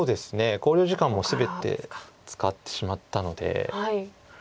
考慮時間も全て使ってしまったので。